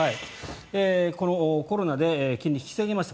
コロナで金利を引き下げました。